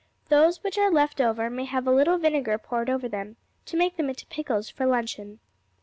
Those which are left over may have a little vinegar poured over them, to make them into pickles for luncheon.